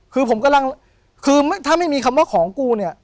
คือผมกำลังคือถ้าไม่มีคำว่าของกูเนี่ย